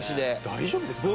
大丈夫ですか？